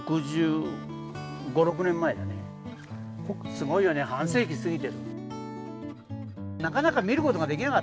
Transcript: すごいよね、半世紀過ぎてる。